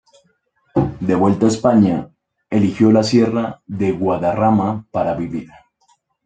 De vuelta a España, eligió la sierra de Guadarrama para vivir.